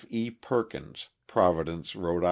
E. Perkins, Providence, R. I.